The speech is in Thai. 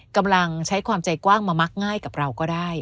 กำลังใช้ความใจกว้างมามักง่ายกับเราก็ได้